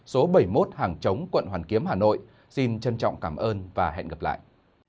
số bảy mươi một hàng chống quận hoàn kiếm hà nội xin trân trọng cảm ơn và hẹn gặp lại